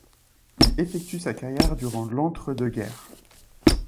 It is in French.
Il effectue sa carrière durant l'entre-deux-guerres.